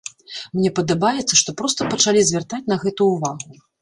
Мне падабаецца, што проста пачалі звяртаць на гэта ўвагу.